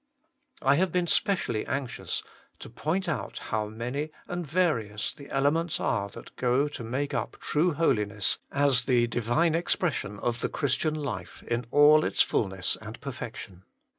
I have been specially anxious to point out how many and various the elements are that go to make up true holiness as the Divine expression of the Christian life in all its fulness and perfection.